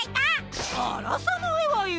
あらさないわよ！